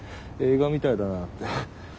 映画みたいだなって。